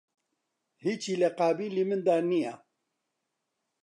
هیچی لە قابیلی مندا نییە